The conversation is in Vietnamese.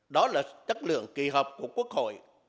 đó là chất lượng kỳ họp của quốc hội